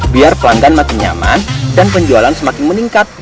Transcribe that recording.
biar pelanggan makin nyaman dan penjualan semakin meningkat